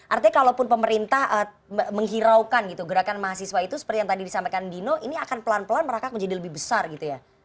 artinya kalaupun pemerintah menghiraukan gitu gerakan mahasiswa itu seperti yang tadi disampaikan dino ini akan pelan pelan merangkak menjadi lebih besar gitu ya